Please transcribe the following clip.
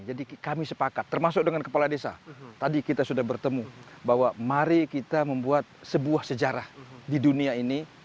jadi kami sepakat termasuk dengan kepala desa tadi kita sudah bertemu bahwa mari kita membuat sebuah sejarah di dunia ini